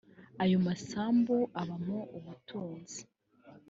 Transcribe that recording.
ayo masambu abamo ubutunzi